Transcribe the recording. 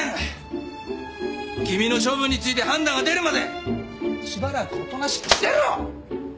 君の処分について判断が出るまでしばらくおとなしくしてろ！